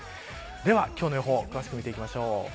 では今日の予報詳しく見ていきましょう。